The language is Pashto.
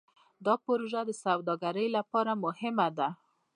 دا پروژه د سوداګرۍ لپاره مهمه ده.